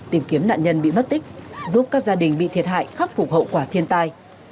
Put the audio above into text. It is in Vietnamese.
tìm kiếm nạn nhân bị mất tích giúp các gia đình bị thiệt hại khắc phục hậu quả thiên tai